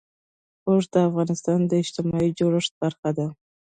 اوښ د افغانستان د اجتماعي جوړښت برخه ده.